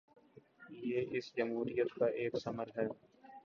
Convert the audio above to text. یہ اس جمہوریت کا ایک ثمر ہے۔